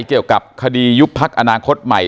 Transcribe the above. เกี่ยวกับคดียุบพักอนาคตใหม่